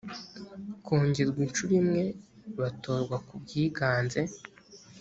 kongerwa inshuro imwe batorwa ku bwiganze